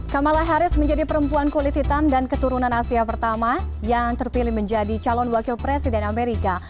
kamala harris menjadi perempuan kulit hitam dan keturunan asia pertama yang terpilih menjadi calon wakil presiden amerika